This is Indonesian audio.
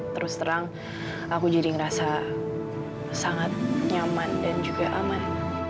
terus terang aku jadi ngerasa sangat nyaman dan juga aman